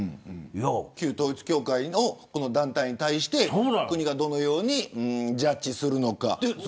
旧統一教会の団体に関して国がどのようにジャッジするのか。